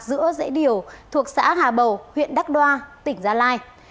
giữa dãy điều thuộc xã hà bầu huyện đắc đoa tỉnh gia lai